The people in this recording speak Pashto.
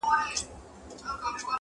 سترګي سرې غټه سینه ببر برېتونه!.